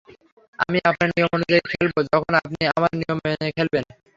আমি আপনার নিয়ম অনুযায়ী খেলব, যখন আপনি আমার নিয়ম মেনে খেলবেন!